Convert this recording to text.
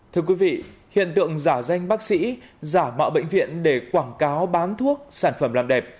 thưa quý vị hiện tượng giả danh bác sĩ giả mạo bệnh viện để quảng cáo bán thuốc sản phẩm làm đẹp